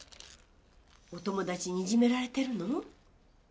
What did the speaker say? お友達にいじめられてるの？